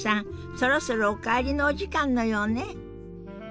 そろそろお帰りのお時間のようね。